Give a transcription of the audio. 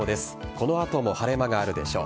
この後も晴れ間があるでしょう。